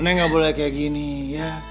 neng gak boleh kaya gini ya